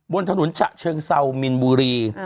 บนตะหนุนชะเชิงเซ้ามินบุรี